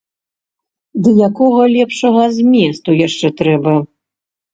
Ды якога лепшага зместу яшчэ трэба?